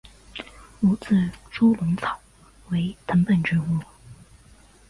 无刺猪笼草为藤本植物。